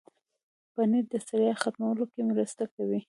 پنېر د ستړیا ختمولو کې مرسته کوي.